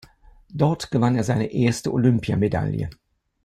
Dort gewann er seine erste Olympiamedaille.